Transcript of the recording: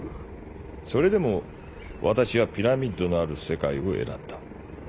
それでも私はピラミッドのある世界を選んだ。